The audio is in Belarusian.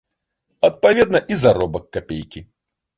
Адпаведна, і заробак капейкі.